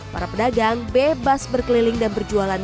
para pedagang bebas berkeliling dan berjualan